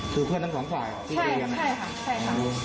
คือเพื่อนทั้งสองฝ่ายที่คุยกันใช่ค่ะใช่ค่ะ